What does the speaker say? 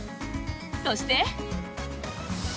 そして。